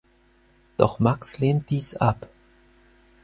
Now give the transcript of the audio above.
Doch Max lehnt dies ab.